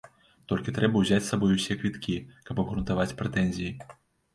Толькі трэба ўзяць з сабой усе квіткі, каб абгрунтаваць прэтэнзіі.